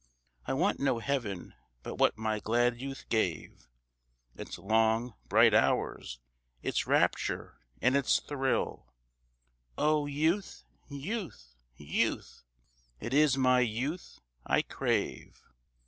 I want no heaven but what my glad youth gave. Its long, bright hours, its rapture and its thrill O youth, youth, youth! it is my youth I crave.